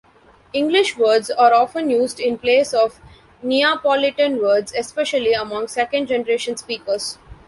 English words are often used in place of Neapolitan words, especially among second-generation speakers.